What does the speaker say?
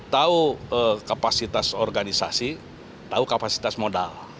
tahu kapasitas organisasi tahu kapasitas modal